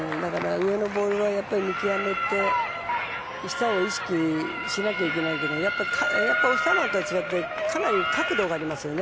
上のボールは見極めて下を意識しなきゃいけないけどやっぱりオスターマンとは違ってかなり角度がありますね